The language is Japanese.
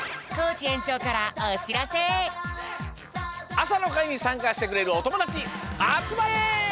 あさのかいにさんかしてくれるおともだちあつまれ！